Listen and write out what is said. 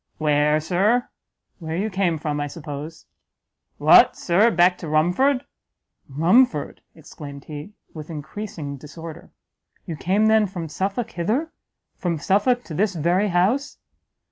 "Where, Sir?" "Where you came from, I suppose." "What, Sir, back to Rumford?" "Rumford!" exclaimed he, with encreasing disorder, "you came then from Suffolk hither? from Suffolk to this very house?"